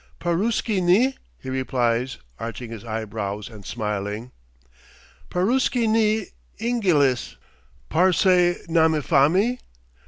"Paruski ni?" he replies, arching his eyebrows and smiling. "Paruski ni; Ingilis." "Parsee namifami?"